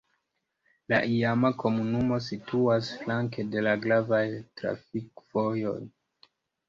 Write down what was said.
La iama komunumo situas flanke de la gravaj trafikvojoj.